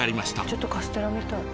ちょっとカステラみたい。